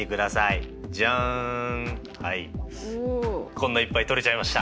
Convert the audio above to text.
こんないっぱい取れちゃいました。